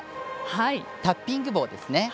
タッピング棒ですね。